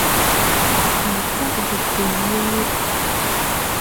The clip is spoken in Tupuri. Ii kag de puy ne wūr.